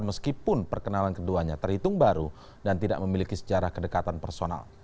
meskipun perkenalan keduanya terhitung baru dan tidak memiliki sejarah kedekatan personal